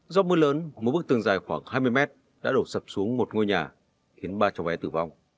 do mưa lớn một bức tường dài khoảng hai mươi mét đã đổ sập xuống một ngôi nhà khiến ba cháu bé tử vong